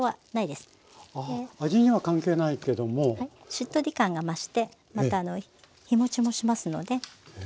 しっとり感が増してまた日もちもしますので。